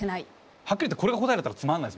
はっきり言ってこれが答えだったらつまんないっすもんね。